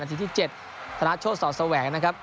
นาทีที่๗สนับโชชน์ศรสแหวงนะครับ